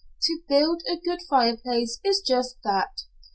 To build a good fireplace is just that.